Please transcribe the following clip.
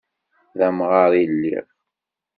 D amɣar i lliɣ.